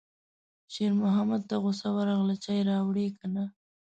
شېرمحمد ته غوسه ورغله: چای راوړې که نه